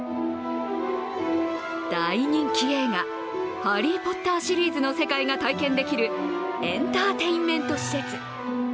大人気映画「ハリー・ポッター」シリーズの世界が体験できるエンターテインメント施設。